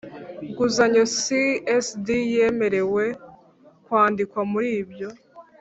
nguzanyo csd yemerewe kwandikwa muri ibyo